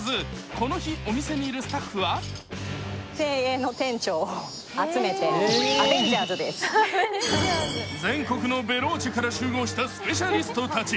この日、お店にいるスタッフは全国のベローチェから集合したスペシャリストたち。